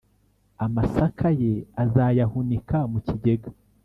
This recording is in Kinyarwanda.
amasaka ye azayahunika mu kigega,